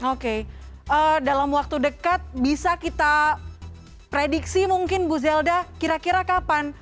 oke dalam waktu dekat bisa kita prediksi mungkin bu zelda kira kira kapan